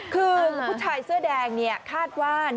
คือผู้ชายเสื้อแดงนี่คาดว่าน่าจะ